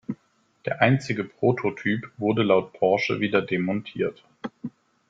Der einzige Prototyp wurde laut Porsche wieder demontiert.